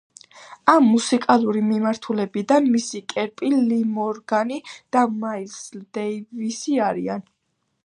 ამ მუსიკალური მიმართულებიდან მისი კერპები ლი მორგანი და მაილს დეივისი არიან.